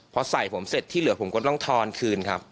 พอใส่ผมเสร็จที่เหลือผมก็ต้องทอนคืนครับ